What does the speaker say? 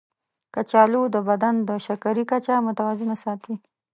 کچالو د بدن د شکرې کچه متوازنه ساتي.